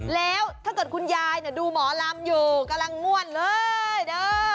แล้วถ้าเกิดคุณยายดูหมอลำอยู่กำลังม่วนเลยเด้อ